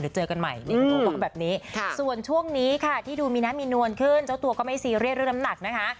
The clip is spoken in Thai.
หรือเจอกันใหม่ก็แบบนี้ส่วนช่วงนี้ค่ะที่ดูมีนะมีนวลขึ้นเจ้าตัวก็ไม่ซีเรียสเรื่องน้ำหนักนะฮะ